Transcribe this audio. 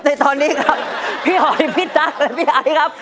ในตอนนี้ครับพี่หอยพี่ตั๊กและพี่ไอครับ